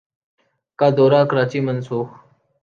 کا دورہ کراچی منسوخ